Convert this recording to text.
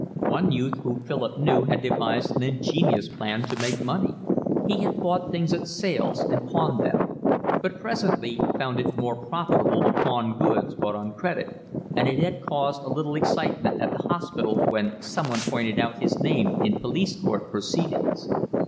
One youth whom Philip knew had devised an ingenious plan to make money; he had bought things at sales and pawned them, but presently found it more profitable to pawn goods bought on credit; and it had caused a little excitement at the hospital when someone pointed out his name in police court proceedings.